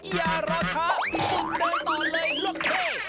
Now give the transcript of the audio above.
อย่ารอช้าขึ้นเดินต่อเลยโลกเฮ่ย